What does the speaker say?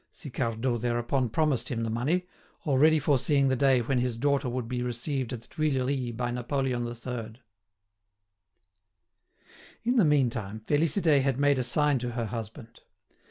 Sicardot thereupon promised him the money, already foreseeing the day when his daughter would be received at the Tuileries by Napoleon III. In the meantime, Félicité had made a sign to her husband.